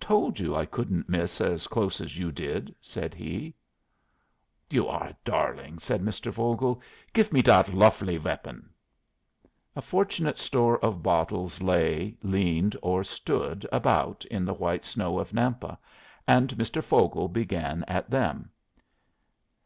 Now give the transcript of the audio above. "Told you I couldn't miss as close as you did," said he. "You are a darling," said Mr. Vogel. "Gif me dat lofely weapon." A fortunate store of bottles lay, leaned, or stood about in the white snow of Nampa, and Mr. Vogel began at them.